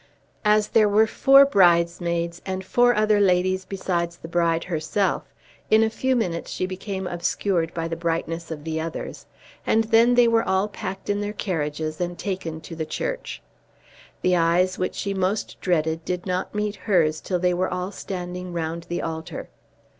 As there were four bridesmaids and four other ladies besides the bride herself, in a few minutes she became obscured by the brightness of the others; and then they were all packed in their carriages and taken to the church. The eyes which she most dreaded did not meet hers till they were all standing round the altar.